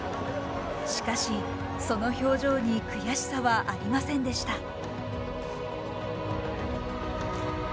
しかし、その表情に悔しさはありませんでした。